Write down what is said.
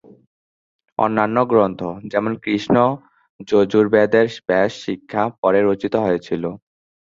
অন্যান্য গ্রন্থ, যেমন কৃষ্ণ যজুর্বেদের ব্যাস-শিক্ষা, পরে রচিত হয়েছিল।